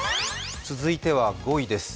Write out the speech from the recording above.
続いては５位です。